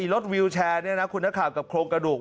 รถวิวแชร์เนี่ยนะคุณนักข่าวกับโครงกระดูก